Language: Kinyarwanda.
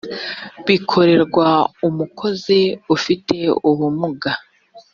bikorerwa umukozi ufite ubumuga